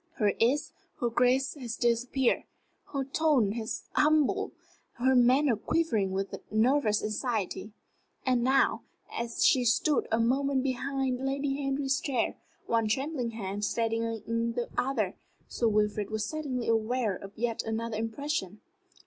Her ease, her grace had disappeared. Her tone was humble, her manner quivering with nervous anxiety. And now, as she stood a moment behind Lady Henry's chair, one trembling hand steadying the other, Sir Wilfrid was suddenly aware of yet another impression.